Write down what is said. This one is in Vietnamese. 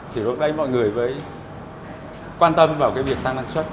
thì lúc đấy mọi người mới quan tâm vào cái việc tăng năng suất